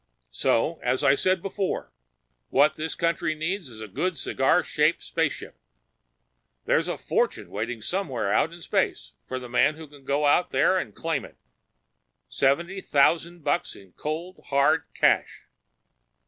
So, as I said before, what this country needs is a good cigar shaped spaceship. There's a fortune waiting somewhere out in space for the man who can go out there and claim it. Seventy thousand bucks in cold, hard cash.